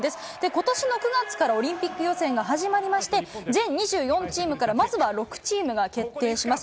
ことしの９月からオリンピック予選が始まりまして、全２４チームから、まずは６チームが決定します。